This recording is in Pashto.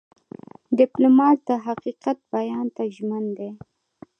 ډيپلومات د حقیقت بیان ته ژمن دی.